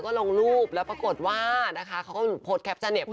จริงฉันก็ชอบบาดแต่ยกให้คิมเบอรี่ตัวจริงละกัน